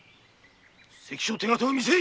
関所手形を見せい。